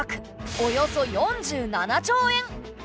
およそ４７兆円！